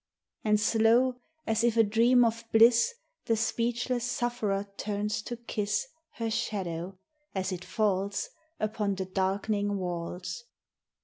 And slow, as in a dream of bliss, The speechless sufferer turns to kiss Her shadow, as it falls Upon the darkening walls.